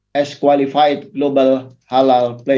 sebagai pemain halal global yang berkualitas